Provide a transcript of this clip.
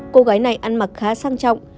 cô gái này ăn mặc khá sang trọng